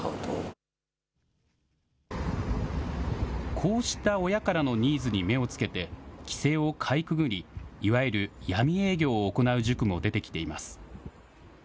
こうした親からのニーズに目をつけて、規制をかいくぐり、いわゆる闇営業を行う塾も出てきています。